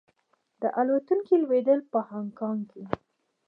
د الوتکې لوېدل په هانګ کې کې.